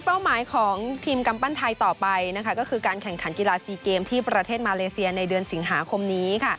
เป้าหมายของทีมกำปั้นไทยต่อไปก็คือการแข่งขันกีฬาซีเกมที่ประเทศมาเลเซียในเดือนสิงหาคมนี้